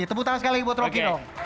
tepuk tangan sekali lagi buat rocky